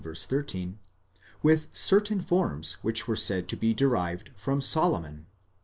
13), with certain forms which were said to be derived from Solomon.